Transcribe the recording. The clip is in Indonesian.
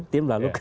tim lalu ke